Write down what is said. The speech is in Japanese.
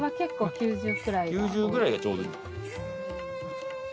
９０ぐらいがちょうどいい。